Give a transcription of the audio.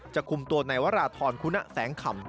คุมตัวในวราธรคุณะแสงคำ